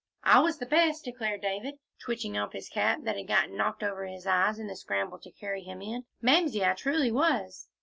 "I was the best," declared David, twitching off his cap that had gotten knocked over his eyes in the scramble to carry him in. "Mamsie, I truly was."